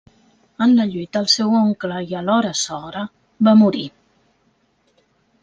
En la lluita, el seu oncle i alhora sogre va morir.